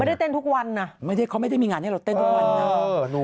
มันได้เต้นทุกวันไม่มีงานให้เราเต้นทุกวัน